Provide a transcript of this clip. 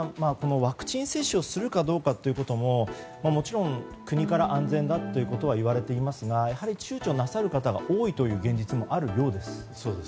ワクチン接種をするかどうかももちろん、国から安全だとは言われていますがやはり、ちゅうちょなさる方が多いという現実があるようです。